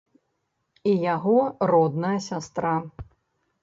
І яго родная сястра.